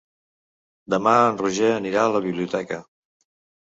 Demà en Roger anirà a la biblioteca.